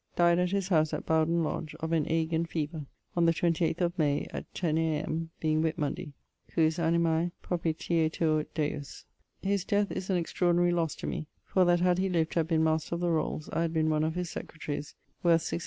died at his house at Bowdon lodge, of an ague and feaver on the 28th of May at 10ʰ A.M., being Whit munday, cujus animae propitietur Deus. His death is an extraordinary losse to me, for that had he lived to have been Master of the Rolles I had been one of his secretarys, worth 600 _li.